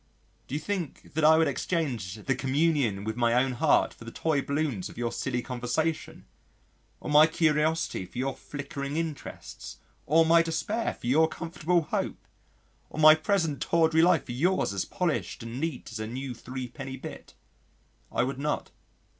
Do you think I would exchange the communion with my own heart for the toy balloons of your silly conversation? Or my curiosity for your flickering interests? Or my despair for your comfortable Hope? Or my present tawdry life for yours as polished and neat as a new three penny bit? I would not.